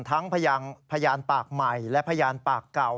ทั้งพยานปากใหม่และพยานปากเก่า